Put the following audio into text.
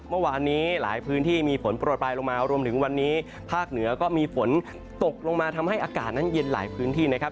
เมื่อวานนี้หลายพื้นที่มีฝนโปรดปลายลงมารวมถึงวันนี้ภาคเหนือก็มีฝนตกลงมาทำให้อากาศนั้นเย็นหลายพื้นที่นะครับ